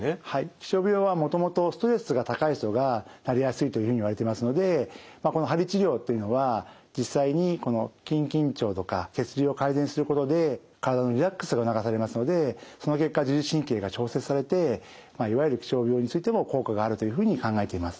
気象病はもともとストレスが高い人がなりやすいというふうにいわれていますのでこの鍼治療というのは実際にこの筋緊張とか血流を改善することで体のリラックスが促されますのでその結果自律神経が調節されていわゆる気象病についても効果があるというふうに考えています。